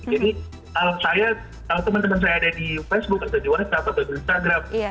jadi kalau teman teman saya ada di facebook ada juga ada di instagram